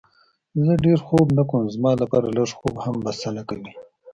زه ډېر خوب نه کوم، زما لپاره لږ خوب هم بسنه کوي.